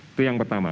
itu yang pertama